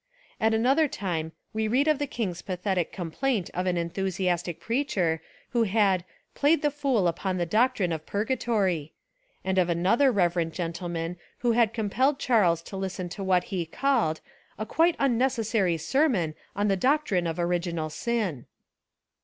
At another time we read of the king's pathetic complaint of an enthusiastic preacher who had "played the fool upon the doctrine of purga tory," and of another reverend gentleman who had compelled Charles to listen to what he called "a quite unnecessary sermon on the doc trine of original sin."